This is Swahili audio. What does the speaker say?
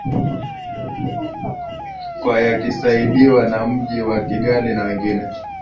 kwa yakisaidiwa na mji wa kigali na wengine